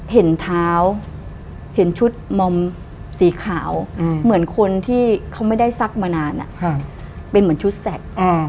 เห็นเท้าเห็นชุดมอมสีขาวเหมือนคนที่เขาไม่ได้ซักมานานเป็นเหมือนชุดแสก